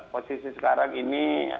posisi sekarang ini